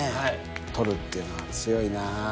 取るっていうのは強いな。